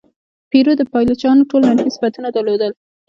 پیرو د پایلوچانو ټول منفي صفتونه درلودل.